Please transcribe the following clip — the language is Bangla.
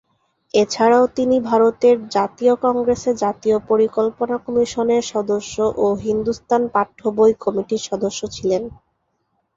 এছাড়াও তিনি ভারতের জাতীয় কংগ্রেসে জাতীয় পরিকল্পনা কমিশনের সদস্য ও হিন্দুস্তান পাঠ্যবই কমিটির সদস্য ছিলেন।